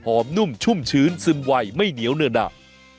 นุ่มชุ่มชื้นซึมไวไม่เหนียวเนื้อหนา